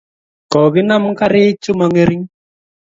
kokinam kariik chemong'ering'.